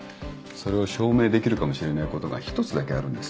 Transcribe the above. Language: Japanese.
それを証明できるかもしれないことが１つだけあるんです。